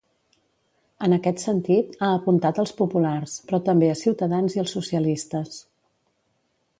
En aquest sentit, ha apuntat als populars, però també a Ciutadans i als socialistes.